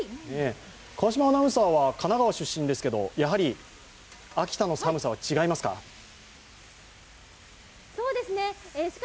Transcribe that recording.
川島アナウンサーは神奈川出身ですけど、やはり秋田の寒さは違いますか？